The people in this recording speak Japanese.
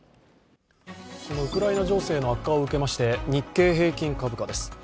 そのウクライナ情勢の悪化を受けまして日経平均株価です。